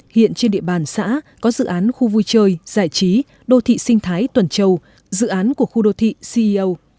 hiện trên địa bàn xã có dự án khu vui chơi giải trí đô thị sinh thái tuần châu dự án của khu đô thị ceo